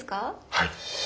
はい。